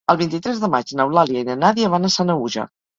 El vint-i-tres de maig n'Eulàlia i na Nàdia van a Sanaüja.